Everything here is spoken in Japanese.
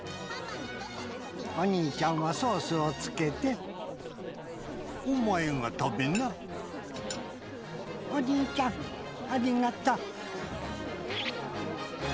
お兄ちゃんはソースをつけて「お前が食べな」「お兄ちゃんありがと」